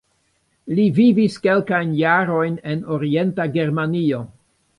Li vivis kelkajn jarojn en Orienta Germanio.